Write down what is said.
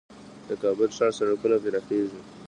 د کابل ښار سړکونه پراخیږي؟